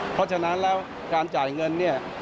เพราะฉะนั้นแล้วการจ่ายเงินเนี่ย